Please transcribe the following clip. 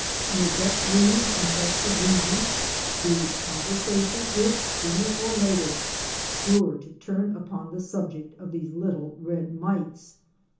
In a béte rouge infested region the conversation is sooner or later sure to turn upon the sub ject of these little red mites.